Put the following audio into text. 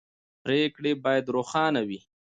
پرېکړې باید روښانه وي